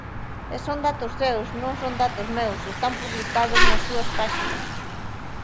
E son datos seus, non son datos meus, están publicados nas súas páxinas.